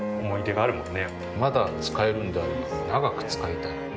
まだ使えるんであれば長く使いたい。